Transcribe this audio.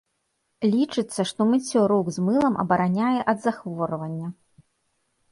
Лічыцца, што мыццё рук з мылам абараняе ад захворвання.